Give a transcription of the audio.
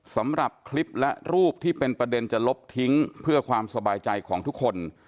สำหรับคลิปและรูปที่เป็นประเด็นจะลบทิ้งเพื่อความสบายใจของทุกคน